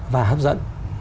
và hấp dẫn